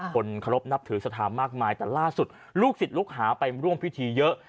คนเคารพนับถือสถานมากมายแต่ล่าสุดลูกศิษย์ลูกหาไปร่วมพิธีเยอะ